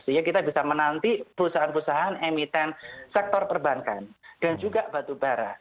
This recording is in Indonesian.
sehingga kita bisa menanti perusahaan perusahaan emiten sektor perbankan dan juga batubara